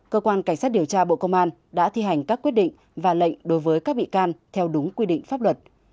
cơ quan cảnh sát điều tra bộ công an đã thi hành các quyết định và lệnh đối với các bị can theo đúng quy định pháp luật